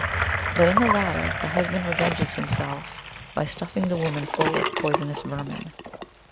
But in the latter the husband revenges himself by stuffing the woman full of poisonous vermin.